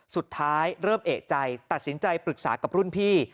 เริ่มเอกใจตัดสินใจปรึกษากับรุ่นพี่